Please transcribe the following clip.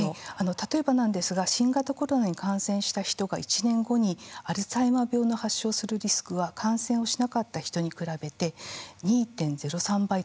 例えばなんですが新型コロナに感染した人が１年後にアルツハイマー病の発症をするリスクは感染をしなかった人に比べて２．０３倍高いということが発表されたんですね。